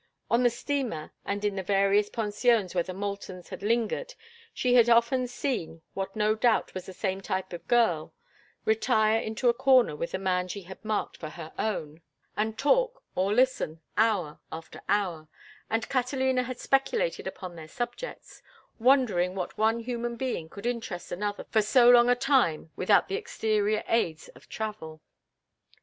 On the steamer and in the various pensions where the Moultons had lingered she had often seen what no doubt was this same type of girl retire into a corner with the man she had marked for her own and talk—or listen—hour after hour; and Catalina had speculated upon their subjects, wondering that one human being could interest another for so long a time without the exterior aids of travel.